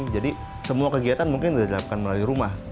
jadi semua kegiatan mungkin sudah dilakukan melalui rumah